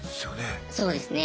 そうですね。